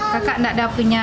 kakak enggak ada punya